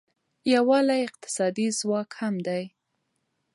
یووالی اقتصادي ځواک هم دی.